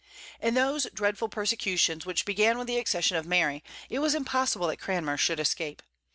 In those dreadful persecutions which began with the accession of Mary, it was impossible that Cranmer should escape.